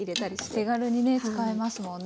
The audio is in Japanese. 手軽にね使えますもんね。